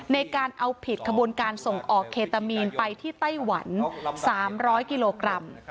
ในการเอาผิดขบวนการส่งออกเคตามีนไปที่ไต้หวัน๓๐๐กิโลกรัม